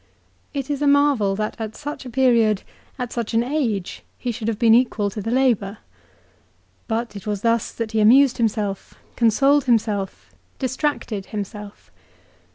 It is a marvel that at such a period, at such an age, he should have been equal to the labour. But it was thus that he amused himself, consoled himself, distracted himself.